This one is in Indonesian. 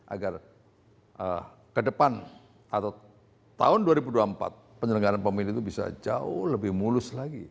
agar ke depan atau tahun dua ribu dua puluh empat penyelenggaran pemilu itu bisa jauh lebih mulus lagi